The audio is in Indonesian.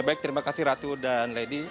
baik terima kasih ratu dan lady